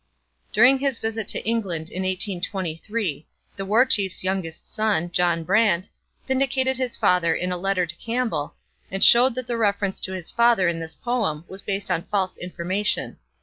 During his visit to England in 1823, the War Chief's youngest son, John Brant, vindicated his father in a letter to Campbell, and showed that the reference to his father in this poem was based on false information.